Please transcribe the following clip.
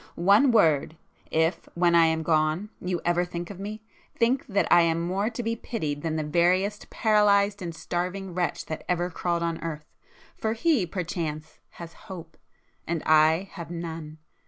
One word,—if, when I am gone, you ever think of me, think that I am more to be pitied than the veriest paralysed and starving wretch that ever crawled on earth,—for he, perchance, has hope—and I have none.